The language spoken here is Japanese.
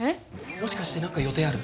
もしかして何か予定ある？